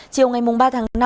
chiều ngày ba tháng sáu